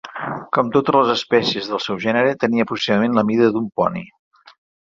Com totes les espècies del seu gènere, tenia aproximadament la mida d'un poni.